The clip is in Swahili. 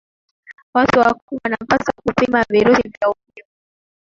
watu wakubwa wanapaswa kupima virusi vya ukimwi